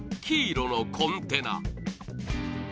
黄色のコンテナ